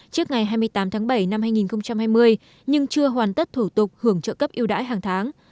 trước ngày hai mươi tám tháng bảy năm hai nghìn hai mươi nhưng chưa hoàn tất thủ tục hưởng trợ cấp yêu đãi hàng tháng